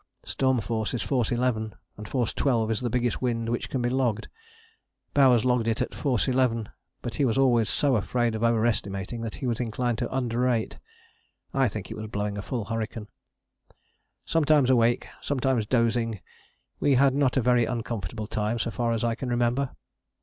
Storm force is force 11, and force 12 is the biggest wind which can be logged: Bowers logged it force 11, but he was always so afraid of overestimating that he was inclined to underrate. I think it was blowing a full hurricane. Sometimes awake, sometimes dozing, we had not a very uncomfortable time so far as I can remember.